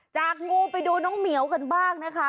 จากงูไปดูน้องเหมียวกันบ้างนะคะ